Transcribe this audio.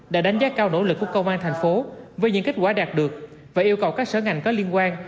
đã đánh giá cao nỗ lực của công an thành phố với những kết quả đạt được và yêu cầu các sở ngành có liên quan